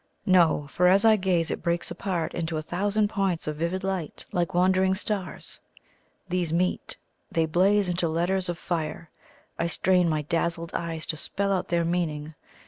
No; for as I gaze it breaks apart into a thousand points of vivid light like wandering stars. These meet; they blaze into letters of fire. I strain my dazzled eyes to spell out their meaning.